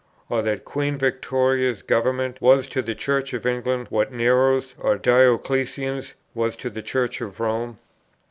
Or that Queen Victoria's Government was to the Church of England what Nero's or Dioclesian's was to the Church of Rome?